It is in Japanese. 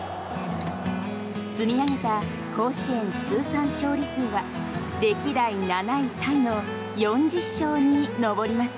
積み上げた甲子園通算勝利数は歴代７位タイの４０勝に上ります。